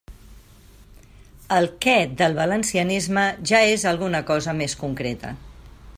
El «què» del valencianisme, ja és alguna cosa més concreta.